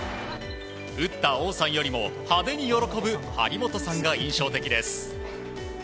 打った王さんよりも派手に喜ぶ張本さんが印象的です。